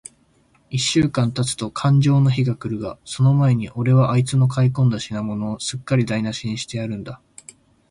一週間たつとかんじょうの日が来るが、その前に、おれはあいつの買い込んだ品物を、すっかりだいなしにしてやるんだ。